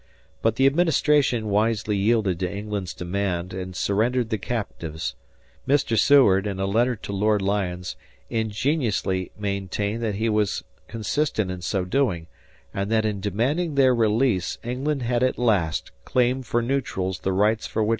But the Administration wisely yielded to England's demand and surrendered the captives. Mr. Seward, in a letter to Lord Lyons, ingeniously maintained that he was consistent in so doing, and that in demanding their release England had at last claimed for neutrals the rights for which the United States had always contended.